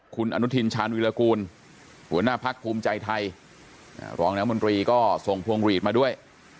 คุณอนุทินชาญวิรากูลหัวหน้าพักภูมิใจไทยรองน้ำมนตรีก็ส่งพวงหลีดมาด้วย